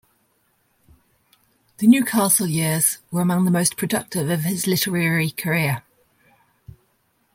The Newcastle years were among the most productive of his literary career.